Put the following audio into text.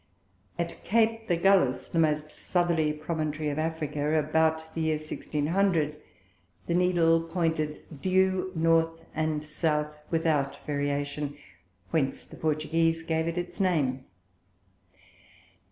At Cape d' Agulhas, the most Southerly Promontary of Africa, about the Year 1600, the Needle pointed due North and South without Variation, whence the Portugueze gave its name.